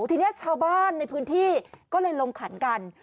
ทีนี้ชาวบ้านในพื้นที่ก็เลยลงขันกัน